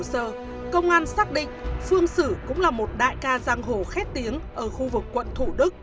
hồ sơ công an xác định phương sử cũng là một đại ca giang hồ khét tiếng ở khu vực quận thủ đức